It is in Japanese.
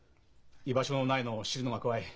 居場所のないのを知るのが怖い。